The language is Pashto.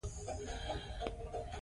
ځینې یې په ساده والي نیوکه کوي.